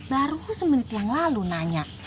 baru semenit yang lalu nanya